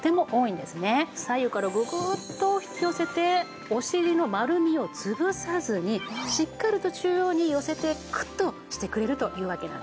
左右からググッと引き寄せてお尻の丸みを潰さずにしっかりと中央に寄せてクッとしてくれるというわけなんですね。